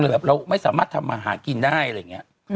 แบบเราไม่สามารถทำมาหากินได้อะไรอย่างนี้